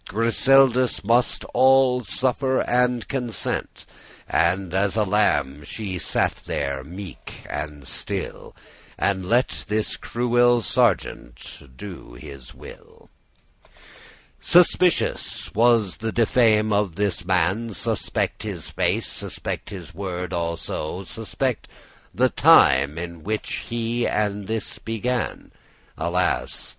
Griseldis must all suffer and consent: And as a lamb she sat there meek and still, And let this cruel sergeant do his will Suspicious* was the diffame of this man, *ominous evil reputation Suspect his face, suspect his word also, Suspect the time in which he this began: Alas!